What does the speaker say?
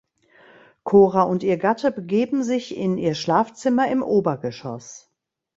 Cora und ihr Gatte begeben sich in ihr Schlafzimmer im Obergeschoss.